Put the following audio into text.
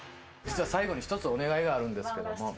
実は最後に１つお願いがあるんですけども。